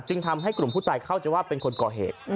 ทำให้กลุ่มผู้ตายเข้าใจว่าเป็นคนก่อเหตุ